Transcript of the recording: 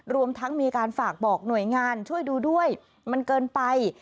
รวมทั้งมีการฝากบอกหน่วยงานช่วยดูด้วยมันเกินไป